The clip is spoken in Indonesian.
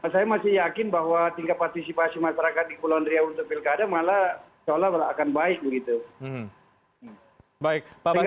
saya masih yakin bahwa tingkat partisipasi masyarakat di kepulauan riau untuk pilkada malah seolah akan baik begitu